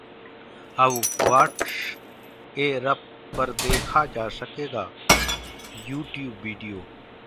अब व्हाट्सऐरप पर देखा जा सकेगा यूट्यूब वीडियो!